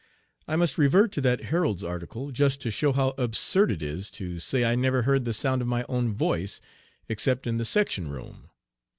I must revert to that Herald's article just to show how absurd it is to say I never heard the sound of my own voice except in the section room.